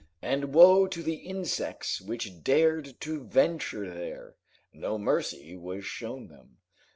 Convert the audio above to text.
And woe to the insects which dared to venture there! No mercy was shown them.